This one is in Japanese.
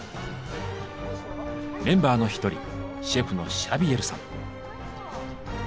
メンバーの一人シェフのシャビエルさん。